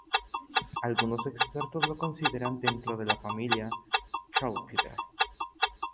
Algunos expertos lo consideran dentro de la familia Thraupidae.